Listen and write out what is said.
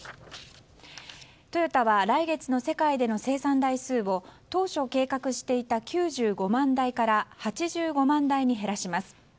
トヨタは来月の世界での生産台数を当初計画していた９５万台から８５万台に減らします。